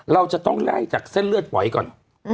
เราจะต้องไล่จากเส้นเลือดไหวก่อน